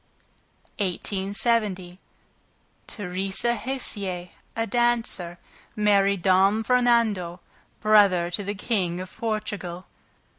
1870. Theresa Hessier, a dancer, married Dom Fernando, brother to the King of Portugal.